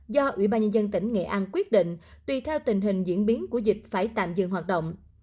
do ủy ban nhân dân tỉnh nghệ an quyết định tùy theo tình hình diễn biến của dịch phải tạm dừng hoạt động